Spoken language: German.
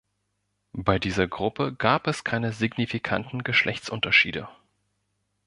Bei dieser Gruppe gab es keine signifikanten Geschlechtsunterschiede.